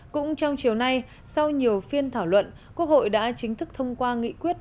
cũng trong chiều nay sau nhiều phiên thảo luận quốc hội đã chính thức thông qua nghị quyết